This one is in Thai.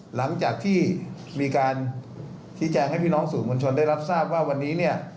หลังจากที่มีการชี้แจงให้พี่น้องสื่อมวลชนได้รับทราบว่าวันนี้เนี่ย